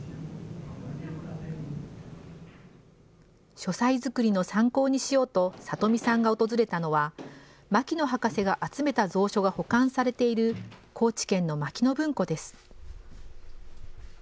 書斎作りの参考にしようと、里見さんが訪れたのは、牧野博士が集めた蔵書が保管されている、高知県の牧野文庫です。